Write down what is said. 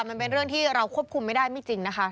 มันเป็นเรื่องที่เราควบคุมไม่ได้ไม่จริงนะคะ